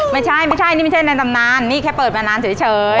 ไม่ใช่ไม่ใช่นี่ไม่ใช่ในตำนานนี่แค่เปิดมานานเฉย